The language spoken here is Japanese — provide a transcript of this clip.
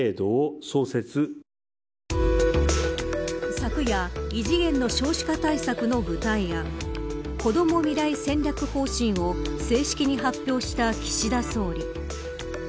昨夜、異次元の少子化対策の具体案こども未来戦略方針を正式に発表した岸田総理。